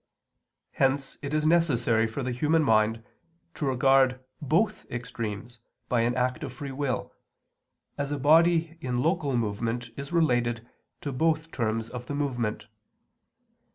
Hence it is necessary for the human mind to regard both extremes by an act of free will, as a body in local movement is related to both terms of the movement.